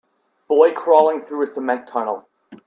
Boy crawling through a cement tunnel.